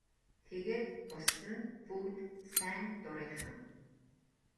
Тэгээд бусад нь бүгд сайн дурынхан.